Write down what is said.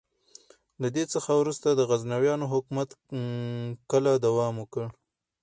له دې څخه وروسته د غزنویانو حکومت کاله دوام وکړ.